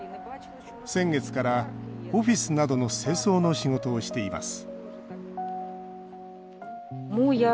先月からオフィスなどの清掃の仕事をしています